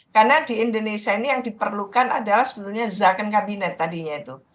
karena di indonesia ini yang diperlukan adalah sebenarnya zakat kabinet tadinya itu